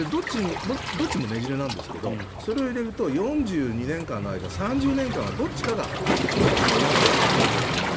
どっちもねじれなんですがそれを入れると４２年間の間３０年間はどっちかが野党なんです。